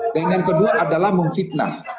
dan yang kedua adalah memfitnah